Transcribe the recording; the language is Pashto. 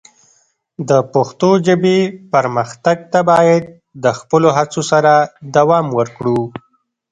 د پښتو ژبې پرمختګ ته باید د خپلو هڅو سره دوام ورکړو.